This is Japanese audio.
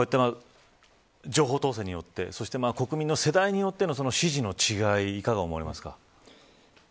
こうやって情報統制によってそして国民の世代によっての支持の違い、いかがですか。